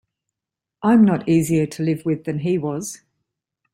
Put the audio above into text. I'm not easier to live with than he was.